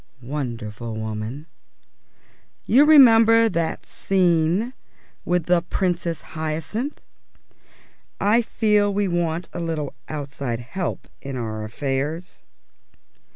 Wonderful woman! You remember that scene with the Princess Hyacinth? "I feel we want a little outside help in our affairs."